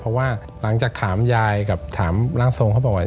เพราะว่าหลังจากถามยายกับถามร่างทรงเขาบอกว่า